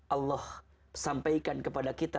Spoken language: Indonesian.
allah sampaikan kepada kita